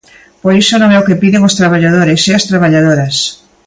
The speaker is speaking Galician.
Pero iso non é o que piden os traballadores e as traballadoras.